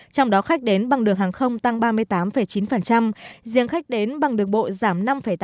trong đó khách đến bằng đường hàng không tăng ba mươi tám chín riêng khách đến bằng đường bộ giảm năm tám